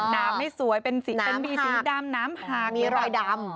น้ำไม่สวยเป็นบีสีดำน้ำหากมีรอยดำ